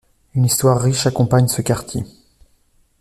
Une histoire riche accompagne ce quartier.